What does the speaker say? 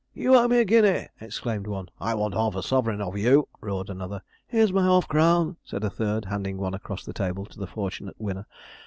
'You owe me a guinea,' exclaimed one. 'I want half a sovereign of you,' roared another. 'Here's my half crown,' said a third, handing one across the table to the fortunate winner.